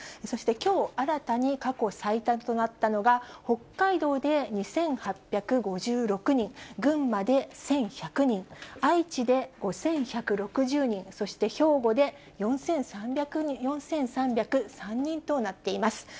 そしてきょう、新たに過去最多となったのが、北海道で２８５６人、群馬で１１００人、愛知で５１６０人、そして兵庫で４３０３人となっています。